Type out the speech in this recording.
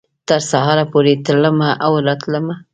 تر سهاره پورې تلمه او راتلمه